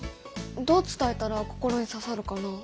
どう伝えたら心にささるかな？